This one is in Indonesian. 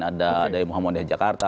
ada dari muhammadiyah jakarta